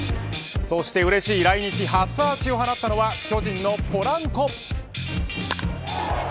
そしてうれしい来日初アーチを放ったのは巨人のポランコ。